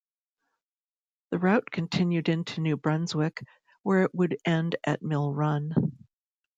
The route continued into New Brunswick, where it would end at Mill Run.